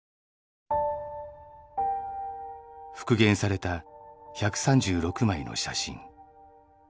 復元された１３６枚の写真。